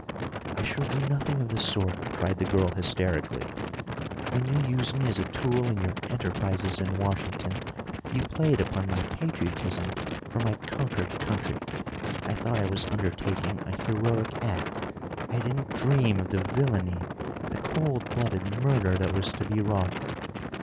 "I shall do nothing of the sort," cried the girl hysterically. "When you used me as a tool in your enterprises in Washington, you played upon my patriotism for my conquered country. I thought I was undertaking a heroic act. I didn't dream of the villainy, the cold blooded murder that was to be wrought.